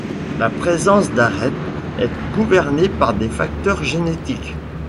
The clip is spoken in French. La présence d'arêtes est gouvernée par des facteurs génétiques.